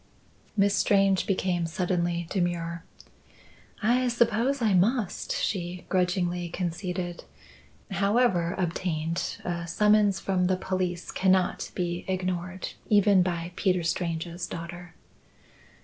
Miss Strange became suddenly demure. "I suppose I must," she grudgingly conceded. "However obtained, a summons from the police cannot be ignored even by Peter Strange's daughter."